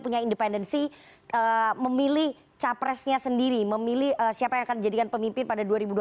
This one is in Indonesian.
punya independensi memilih capresnya sendiri memilih siapa yang akan dijadikan pemimpin pada dua ribu dua puluh